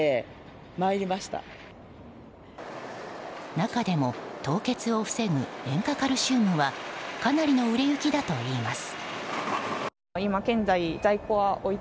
中でも凍結を防ぐ塩化カルシウムはかなりの売れ行きだといいます。